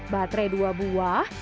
baterai dua buah